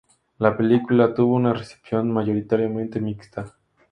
La película tuvo una recepción mayoritariamente mixta.